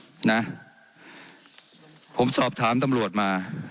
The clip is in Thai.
เจ้าหน้าที่ของรัฐมันก็เป็นผู้ใต้มิชชาท่านนมตรี